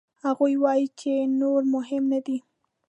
هغوی وايي چې نور مهم نه دي.